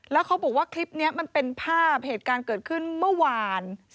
แล้วเขาบอกว่าคลิปนี้มันเป็นภาพเหตุการณ์เกิดขึ้นเมื่อวาน